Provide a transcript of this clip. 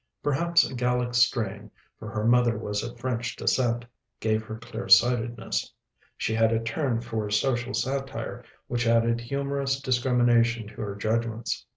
Perhaps a Gallic strain for her mother was of French descent gave her clear sightedness. She had a turn for social satire which added humorous discrimination to her judgments.